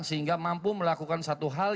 sehingga mampu melakukan satu hal